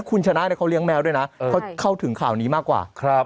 คุณชนะเขาเลี้ยแมวด้วยนะเขาเข้าถึงข่าวนี้มากกว่า